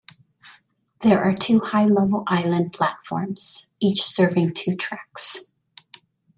There are two high-level island platforms, each serving two tracks.